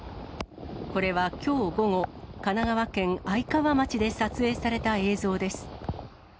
これはきょう午後、神奈川県愛川町で撮影された映像です。